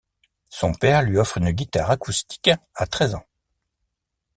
Son père lui offre une guitare acoustique à treize ans.